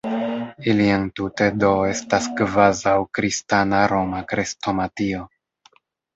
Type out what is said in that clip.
Ili entute do estas kvazaŭ «Kristana Roma Krestomatio».